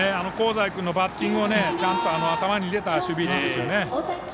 香西君のバッティングをちゃんと頭に入れた守備位置ですよね。